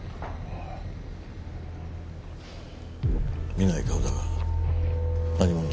見ない顔だが何もんだ？